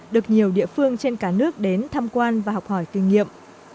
được nhiều địa phương trên cả nước đến tham quan và học hỏi kinh nghiệm